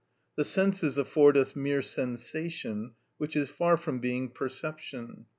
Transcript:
The senses afford us mere sensation, which is far from being perception.